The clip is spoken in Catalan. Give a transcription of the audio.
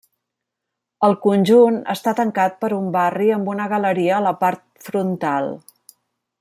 El conjunt està tancat per un barri amb una galeria a la part frontal.